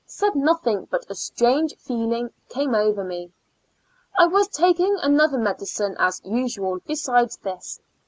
Said nothing, but a strange feeling came over me. I was taking other medicine, as usual, besides this.